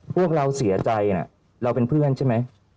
พวกเราเสียใจนะเราเป็นเพื่อนใช่ไหม